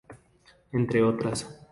Entre otras,